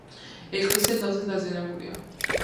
ეკლესია ძალზე დაზიანებულია.